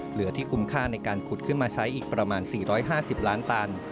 เหลือที่คุ้มค่าในการขุดขึ้นมาใช้อีกประมาณ๔๕๐ล้านตัน